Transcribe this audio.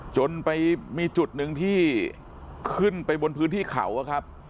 จนไปมีจุดหนึ่งที่ขึ้นไปบนพื้นที่เขาอะครับ